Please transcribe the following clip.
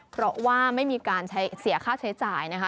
เพราะว่าไม่มีการเสียค่าใช้จ่ายนะคะ